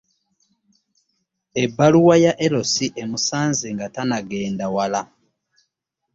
Ebbaluwa ya L.C emusanze tannagenda wala.